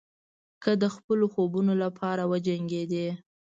که د خپلو خوبونو لپاره وجنګېدئ.